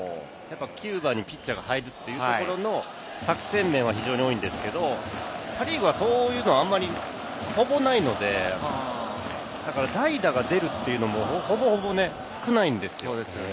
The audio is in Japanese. ９番にピッチャーが入ることの作戦面は多いんですけれど、パ・リーグはそういうのはあまりないので、代打が出るというのも、ほぼほぼ少ないんですよ。